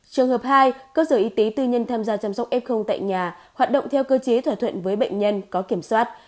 trường hợp hai cơ sở y tế tư nhân tham gia chăm sóc f tại nhà hoạt động theo cơ chế thỏa thuận với bệnh nhân có kiểm soát